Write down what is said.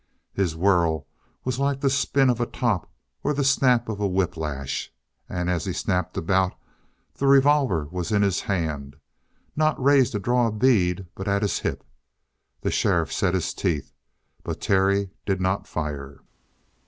His whirl was like the spin of a top, or the snap of a whiplash, and as he snapped about, the revolver was in his hand, not raised to draw a bead, but at his hip. The sheriff set his teeth but Terry did not fire!"